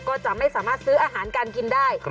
ก็จะไม่สามารถซื้ออาหารการกินได้